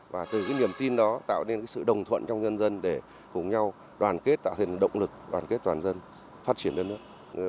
và từ cái niềm tin đó tạo nên sự đồng thuận trong nhân dân để cùng nhau đoàn kết tạo hình động lực đoàn kết toàn dân phát triển đất nước